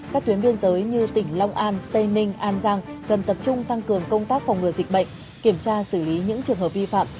các tuyến biên giới như tỉnh long an tây ninh an giang cần tập trung tăng cường công tác phòng ngừa dịch bệnh kiểm tra xử lý những trường hợp vi phạm